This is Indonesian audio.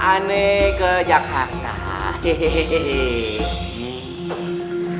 aneh ke jakarta